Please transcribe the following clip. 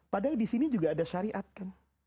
padahal disini juga ada syariat kan